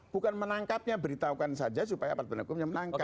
bukan menangkapnya beritahukan saja supaya pak teguh menangkap